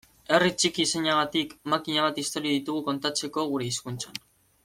Herri txiki izanagatik makina bat istorio ditugu kontatzeko gure hizkuntzan.